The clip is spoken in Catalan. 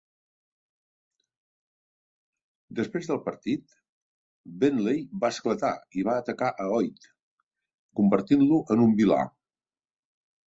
Després del partit, Bentley va esclatar i va atacar a Hoyt, convertint-lo en un vilà.